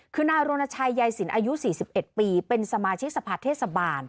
คืนนาโรนชัยยายศิลป์อายุสี่สิบเอ็ดปีเป็นสมาชิกสะพัดเทศบาล